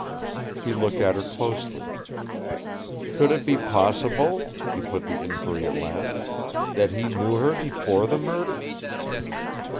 He looked at her closely. "Could it be possible," he put the inquiry at last, "that he knew her before the murder?"